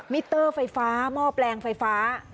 มิเตอร์ไฟฟ้าหม้อแปลงไฟฟ้า